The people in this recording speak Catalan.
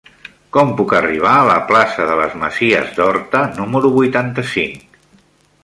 Com puc arribar a la plaça de les Masies d'Horta número vuitanta-cinc?